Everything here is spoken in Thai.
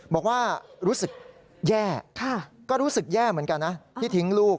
บอกว่ารู้สึกแย่ก็รู้สึกแย่เหมือนกันนะที่ทิ้งลูก